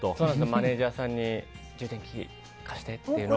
マネジャーさんに充電器、貸してっていうのを。